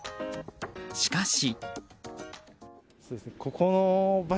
しかし。